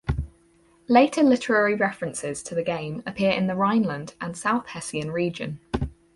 Later literary references to the game appear in the Rhineland and South Hessian region.